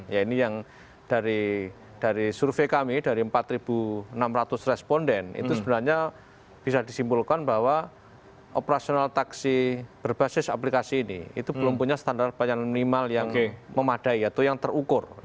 ya ini yang dari survei kami dari empat enam ratus responden itu sebenarnya bisa disimpulkan bahwa operasional taksi berbasis aplikasi ini itu belum punya standar pelayanan minimal yang memadai atau yang terukur